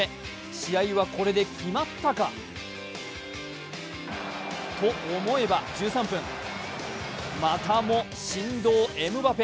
試合はこれで決まったか？と思えば１３分、またも神童・エムバペ。